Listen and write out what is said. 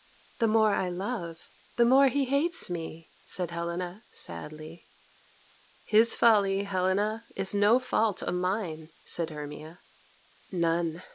"The more I love, the more he hates me," said Helena sadly. "His folly, Helena, is no fault of mine," said Hermia. "None.